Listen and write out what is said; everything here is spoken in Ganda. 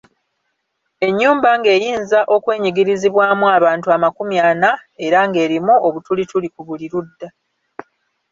Ennyumba ng'eyinza okwenyigirizibwamu abantu amakumi ana era ng'erimu obutulituli ku buli ludda.